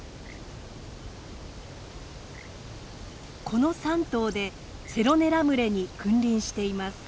この３頭でセロネラ群れに君臨しています。